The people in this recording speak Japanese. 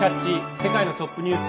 世界のトップニュース」。